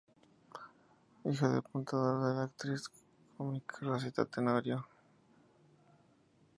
Hija de un apuntador y de la actriz cómica Rosita Tenorio.